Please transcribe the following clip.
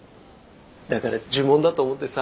だから呪文だと思ってさ。